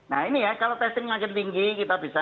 nah ini ya kalau testing makin tinggi kita bisa